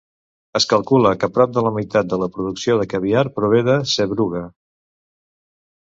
Es calcula que prop de la meitat de la producció de caviar prové de Sevruga.